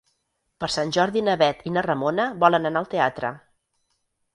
Per Sant Jordi na Bet i na Ramona volen anar al teatre.